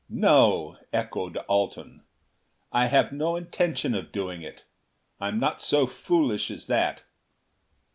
"No," echoed Alten. "I have no intention of doing it. I'm not so foolish as that."